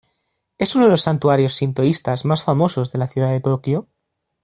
Es uno de los santuarios sintoístas más famosos de la ciudad de Tokio.